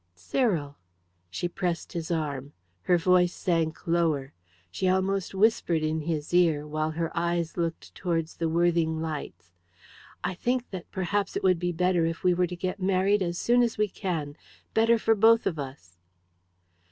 "Cyril!" She pressed his arm. Her voice sank lower. She almost whispered in his ear, while her eyes looked towards the Worthing lights. "I think that perhaps it would be better if we were to get married as soon as we can better for both of us."